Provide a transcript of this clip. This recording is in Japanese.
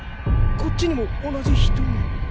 こっちにも同じ人が！？